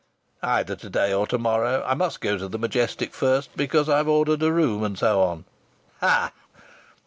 "Either to day or to morrow. I must go to the Majestic first, because I've ordered a room and so on." "Ha!"